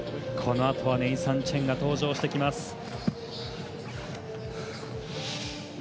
このあとはネイサン・チェンが登場してきます。